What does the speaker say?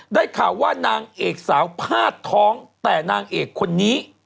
ได้ข่าวว่านางเอกสาวพาดท้องแต่นางเอกคนนี้